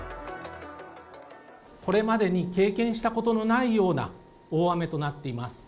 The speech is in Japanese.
これまでに経験したことのないような大雨となっています。